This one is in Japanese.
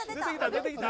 出てきた？